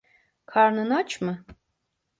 Karnın aç mı?